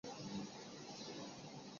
整场比赛菲德都明显的占着上风。